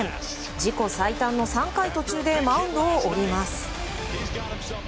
自己最短の３回途中でマウンドを降ります。